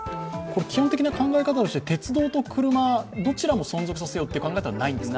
基本的な考え方として鉄道と車どちらも存続させようという考え方はないんですか？